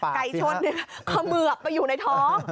ไก่ชนเขมือบไปอยู่ในท้อง